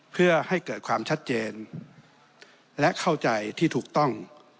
เพื่อให้เกิดความชัดเจนและเข้าใจที่ถูกต้อง